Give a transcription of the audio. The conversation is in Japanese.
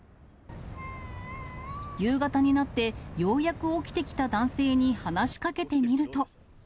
夕方になって、ようやく起きてきた男性に話しかけてみると。